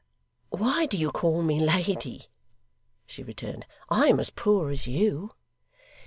'Why do you call me lady?' she returned. 'I am as poor as you.